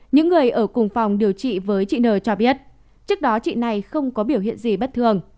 những người ở cùng phòng điều trị với chị nờ cho biết trước đó chị này không có biểu hiện gì bất thường